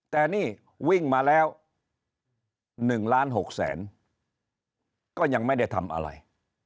แต่นี่วิ่งมาแล้ว๑ล้าน๖แสนก็ยังไม่ได้ทำอะไร